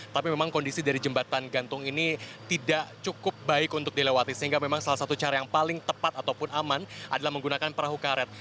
tapi memang kondisi dari jembatan gantung ini tidak cukup baik untuk dilewati sehingga memang salah satu cara yang paling tepat ataupun aman adalah menggunakan perahu karet